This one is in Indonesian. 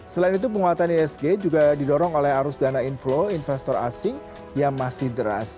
selain itu penguatan isg juga didorong oleh arus dana inflow investor asing yang masih deras